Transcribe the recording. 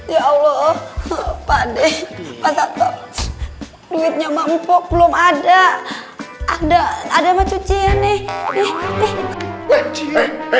ya allah apa deh pasang duitnya mampok belum ada ada ada cucian nih